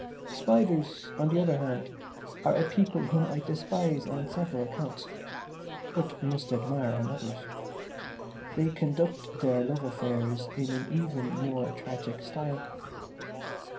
"Spiders, on the other hand, are a people whom I despise on several counts, but must admire on others. They conduct their love affairs in an even more tragic style.